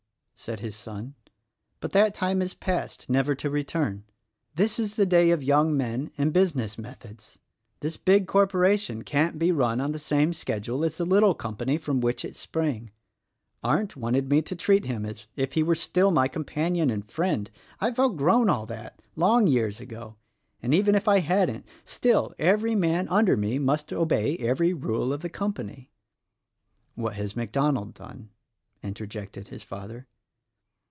said his son; "but that time rs past — never to return. This is the day of young men and business meth ods. This big corporation can't be run on the same sched ule as the little company from which it sprang. Arndt wanted me to treat him as if he were still my companion and friend. I've outgrown all that, — long years ago; and even if I hadn't, still, every man under me must obey every rule of the company." "What has MacDonald done?" interjected his father.